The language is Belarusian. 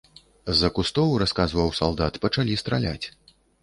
З-за кустоў, расказваў салдат, пачалі страляць.